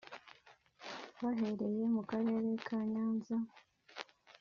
bahereye mu Karere ka Nyanza